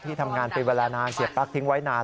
ทำงานเป็นเวลานานเสียบปลั๊กทิ้งไว้นาน